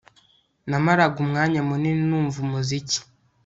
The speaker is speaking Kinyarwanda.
Namaraga umwanya munini numva umuziki